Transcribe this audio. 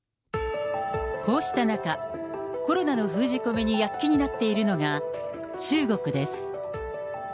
こうした中、コロナの封じ込めに躍起になっているのが、中国です。